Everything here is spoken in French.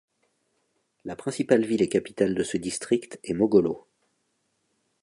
La principale ville et capitale de ce district est Mogolo.